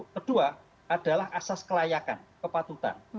kedua adalah asas kelayakan kepatutan